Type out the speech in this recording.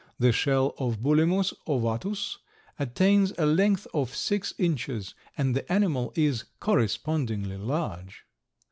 The shell of Bulimus ovatus attains a length of six inches and the animal is correspondingly large.